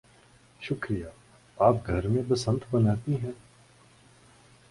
شکریہ. آپ گھر میں بسنت مناتی ہیں؟